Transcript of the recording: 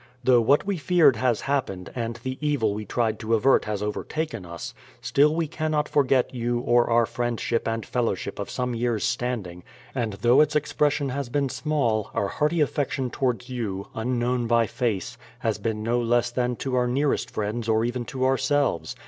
Though what we feared lias happened, and the evil we tried to avert has overtaken us, still we cannot forget you or our friend 164 BRADFORD'S HISTORY OF ship and fellowship of some years' standing, and though its ex pression has been small, our hearty affection towards j'ou, unknown by face, has been no less than to our nearest friends or even to ourselves.